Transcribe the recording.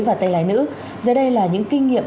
và tay lái nữ giờ đây là những kinh nghiệm